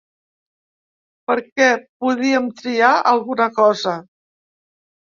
Perquè podíem triar alguna cosa.